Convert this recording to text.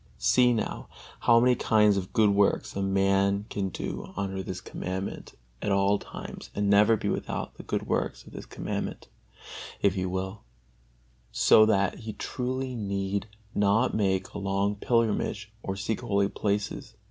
See now, how many kinds of good works a man can do under this Commandment at all times and never be without the good works of this Commandment, if he will; so that he truly need not make a long pilgrimage or seek holy places.